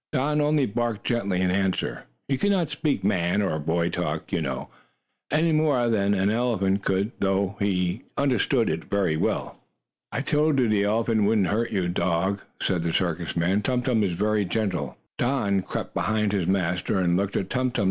Don only barked gently in answer. He could not speak man or boy talk, you know, any more than an elephant could, though he understood it very well. "I told you the elephant wouldn't hurt your dog," said the circus man. "Tum Tum is very gentle." Don crept behind his master, and looked at Tum Tum.